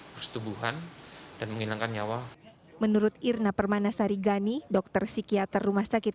persetubuhan dan menghilangkan nyawa menurut irna permana sarigani dokter psikiater rumah sakit